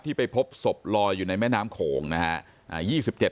ไปพบศพลอยอยู่ในแม่น้ำโขงนะฮะ